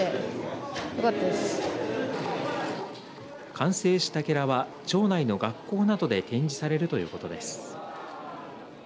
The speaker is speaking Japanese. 完成したケラは町内の学校などで展示されるということです。